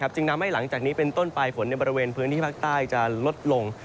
จึงทำให้หลังจากนี้เป็นต้นไปฝนในบริเวณพื้นที่ภาคใต้จะลดลง